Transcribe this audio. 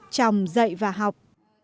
trong dạy và học